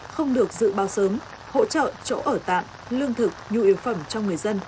không được dự báo sớm hỗ trợ chỗ ở tạm lương thực nhu yếu phẩm cho người dân